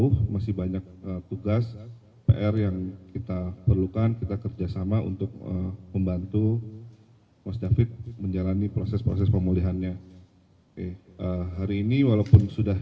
hari ini walaupun sudah